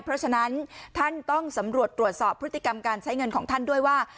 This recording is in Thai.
เพราะฉะนั้นท่านต้องสำรวจตรวจสอบพฤติกรรมการใช้เงินของท่านด้วยว่า